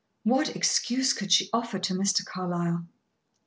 What excuse could she offer to Mr. Carlyle?